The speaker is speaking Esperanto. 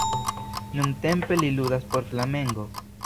Nuntempe li ludas por Flamengo.